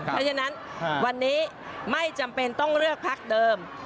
เพราะฉะนั้นวันนี้ไม่จำเป็นต้องเลือกพักเดิม